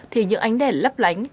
thì những ánh đèn lấp lánh